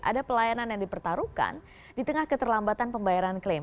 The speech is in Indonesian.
ada pelayanan yang dipertaruhkan di tengah keterlambatan pembayaran klaim